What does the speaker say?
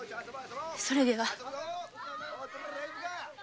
それでは。